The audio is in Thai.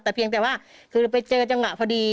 แต่เพียงแต่ว่าคือไปเจอจังหวะพอดี